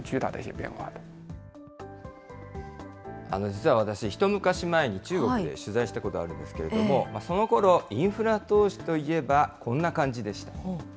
実は私、一昔前に中国で取材したことあるんですけれども、そのころ、インフラ投資といえば、こんな感じでした。